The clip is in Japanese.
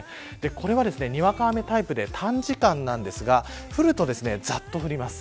これはにわか雨タイプで短時間なんですが降ると、ざっと降ります。